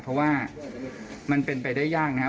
เพราะว่ามันเป็นไปได้ยากนะครับ